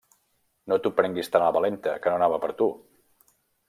No t'ho prenguis tan a la valenta que no anava per tu.